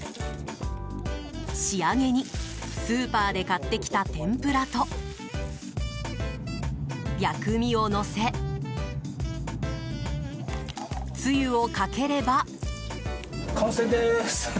仕上げにスーパーで買ってきた天ぷらと薬味をのせ、つゆをかければ。